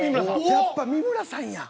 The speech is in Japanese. やっぱ三村さんや。